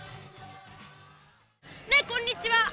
ねえこんにちは。